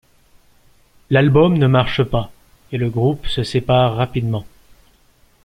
L'album ne marche pas, et le groupe se sépare rapidement.